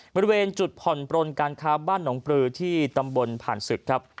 บริเวณจุดผ่อนปลนการค้าบ้านหนองปลือที่ตำบลผ่านศึกครับ